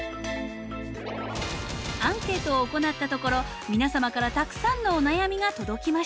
アンケートを行ったところ皆様からたくさんのお悩みが届きました。